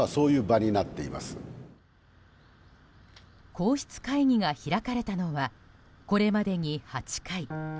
皇室会議が開かれたのはこれまでに８回。